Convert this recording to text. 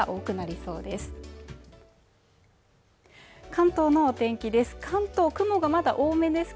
関東の天気です